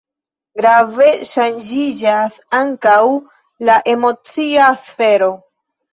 Grave ŝanĝiĝas ankaŭ la emocia sfero.